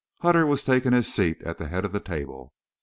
Hutter was taking his seat at the head of the table.